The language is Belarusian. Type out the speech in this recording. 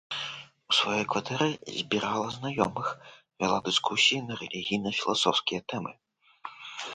У сваёй кватэры збірала знаёмых, вяла дыскусіі на рэлігійна-філасофскія тэмы.